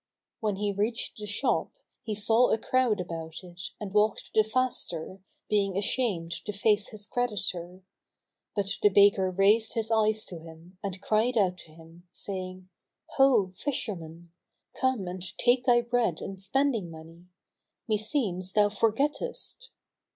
When he reached the shop, he saw a crowd about it and walked the faster, being ashamed to face his creditor; but the baker raised his eyes to him and cried out to him, saying, "Ho, fisherman! Come and take thy bread and spending money. Meseems thou forgettest."